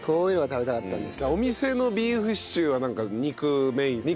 お店のビーフシチューはなんか肉メインですよね。